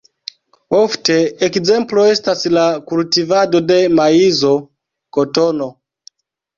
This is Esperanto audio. Ofte ekzemplo estas la kultivado de maizo, kotono.